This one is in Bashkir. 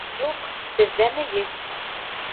Юҡ, беҙҙә мейес